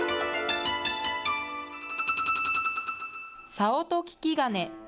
さおとききがね。